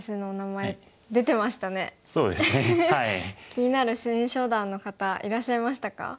気になる新初段の方いらっしゃいましたか？